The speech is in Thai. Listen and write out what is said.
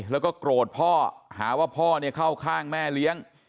แล้วก็โกรธพ่อหาว่าพ่อเข้าข้างแม่เลี้ยง